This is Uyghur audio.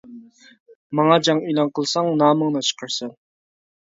ماڭا جەڭ ئېلان قىلساڭ نامىڭنى چىقىرىسەن.